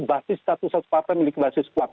basis status sepatu memiliki basis kuat